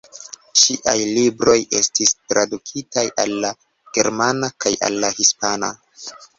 Ŝiaj libroj estis tradukitaj al la germana kaj al la hispana.